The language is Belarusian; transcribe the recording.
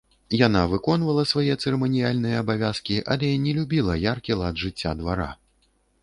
Яна выконвала свае цырыманіяльныя абавязкі, але не любіла яркі лад жыцця двара.